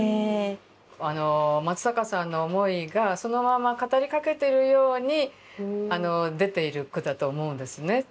松坂さんの思いがそのまま語りかけてるように出ている句だと思うんですね。